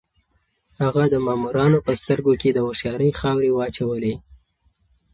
هغه د مامورانو په سترګو کې د هوښيارۍ خاورې واچولې.